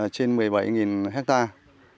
trên một mươi bảy hectare